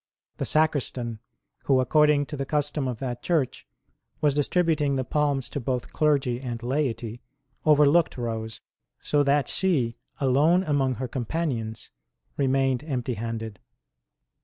The Sacristan, who, according to the custom of that church, was distributing the palms to both clergy and laity, overlooked Rose, so that she, alone among her companions, remained empty handed.